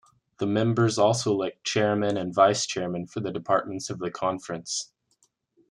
The members also elect chairmen and vice-chairmen for the departments of the conference.